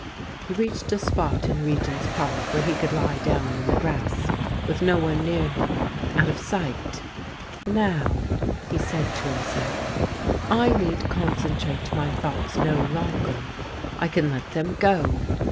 He reached a spot in Regent's Park where he could lie down in the grass with no one near him, out of sight. ' Now,' he said to himself, ' I need concentrate my thoughts no longer — I can let them 62 THE GREEN LIGHT go.'